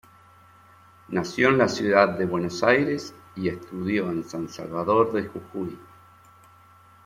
Nació en la ciudad de Buenos Aires, y estudió en San Salvador de Jujuy.